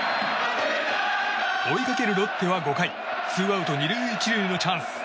追いかけるロッテは５回ツーアウト２塁１塁のチャンス。